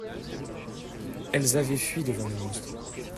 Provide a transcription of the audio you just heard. Elles avaient fui devant le monstre.